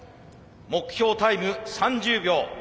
目標タイム３０秒。